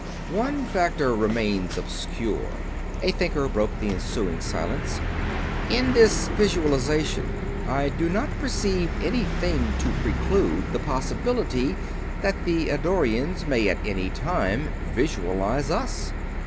"One factor remains obscure." A Thinker broke the ensuing silence. "In this visualization I do not perceive anything to preclude the possibility that the Eddorians may at any time visualize us.